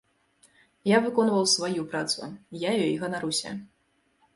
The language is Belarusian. Я выконваў сваю працу, я ёй ганаруся.